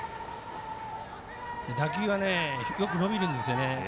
打球はよく伸びるんですよね。